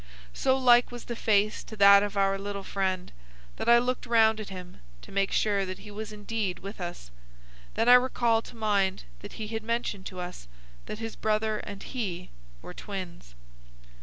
So like was the face to that of our little friend that I looked round at him to make sure that he was indeed with us. Then I recalled to mind that he had mentioned to us that his brother and he were twins.